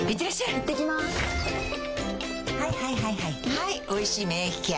はい「おいしい免疫ケア」